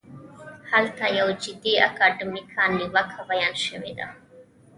هلته یوه جدي اکاډمیکه نیوکه بیان شوې ده.